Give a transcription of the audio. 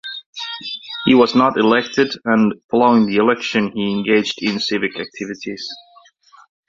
He was not elected and, following the election, he engaged in civic activities.